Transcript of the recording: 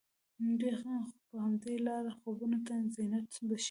دوی خو په همدې لاره خوبونو ته زينت بښي